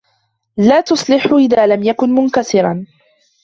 لا تُصلحهُ إذا لم يكن منكسراً.